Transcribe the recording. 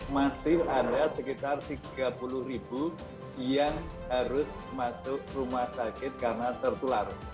masih ada sekitar tiga puluh ribu yang harus masuk rumah sakit karena tertular